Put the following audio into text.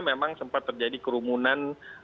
memang sempat terjadi kerumunan